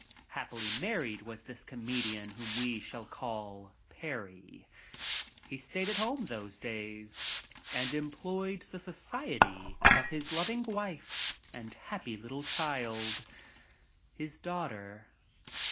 Happily married "was this comedian whom we shall call Parry. He stayed at home those days and enjoyed the society of his loving wife and happy little child — his daughter.